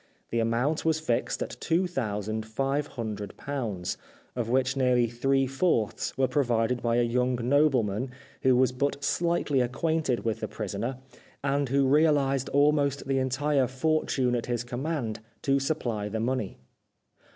The amount was fixed at two thousand five hundred pounds, of which nearly three fourths were provided by a young nobleman, who was but slightly acquainted with the prisoner, and who realised almost the entire fortune at his command to supply the money.